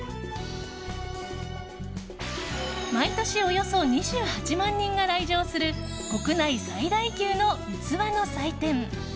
毎年およそ２８万人が来場する国内最大級の器の祭典。